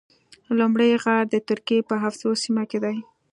لومړی غار د ترکیې په افسوس سیمه کې ده.